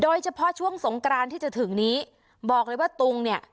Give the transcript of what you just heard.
โดยเฉพาะช่วงสงกรานที่จะถึงนี้บอกเลยว่าตุงเนี่ย